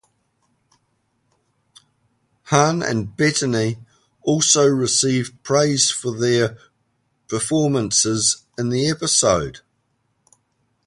Hahn and Bettany also received praise for their performances in the episode.